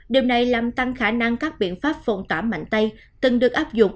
điều này làm tăng khả năng các biện pháp phòng tả mạnh tay từng được áp dụng